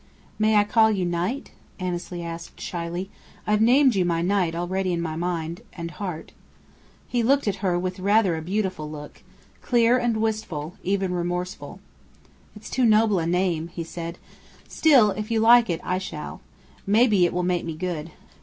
"May I call you 'Knight'?" Annesley asked, shyly. "I've named you my knight already in my mind and and heart." He looked at her with rather a beautiful look: clear and wistful, even remorseful. "It's too noble a name," he said. "Still if you like it, I shall. Maybe it will make me good.